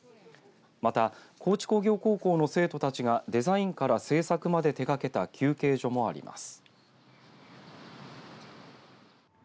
また、高知工業高校の生徒たちがデザインから製作まで手がけた休憩所もあります。